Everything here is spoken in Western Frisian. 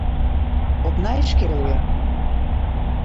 Opnij skilje.